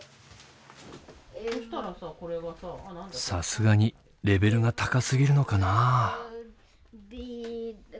さすがにレベルが高すぎるのかなあ？